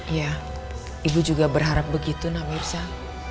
iya ibu juga berharap begitu nabilah